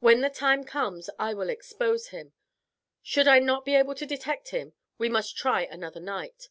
When the times comes I will expose him. Should I not be able to detect him we must try another night.